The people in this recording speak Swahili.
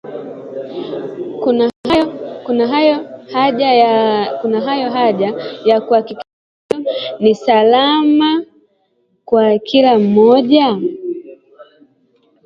kunayo haja ya kuhakikisha sehemu hiyo ni salama kwa kila mmoja